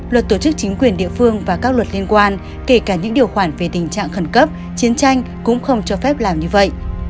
luật tổ chức chính quyền địa phương và các luật liên quan kể cả những điều khoản về tình trạng khẩn cấp chiến tranh cũng không cho phép làm như vậy